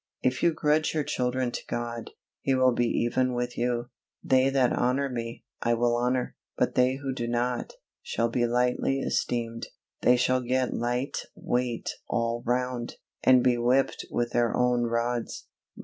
If you grudge your children to God, He will be even with you. "They that honor Me, I will honor, but they who do not, shall be lightly esteemed." They shall get light weight all round, and be whipped with their own rods.